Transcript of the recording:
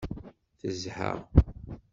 Tezha.